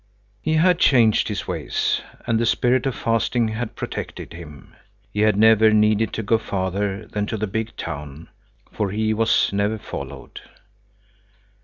He had changed his ways, and the Spirit of Fasting had protected him. He had never needed to go farther than to the big town, for he was never followed.